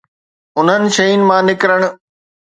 انهن شين مان نڪرڻ.